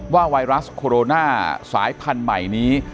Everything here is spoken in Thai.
ไวรัสโคโรนาสายพันธุ์ใหม่นี้